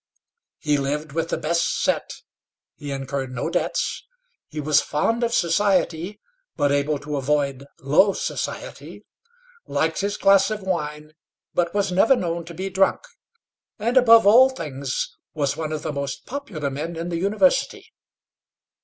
He lived with the best set he incurred no debts he was fond of society, but able to avoid low society liked his glass of wine, but was never known to be drunk; and, above all things, was one of the most popular men in the university.